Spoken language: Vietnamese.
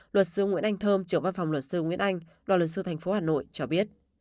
luật sư nguyễn anh thơm trưởng văn phòng luật sư nguyễn anh đoàn luật sư thành phố hà nội cho biết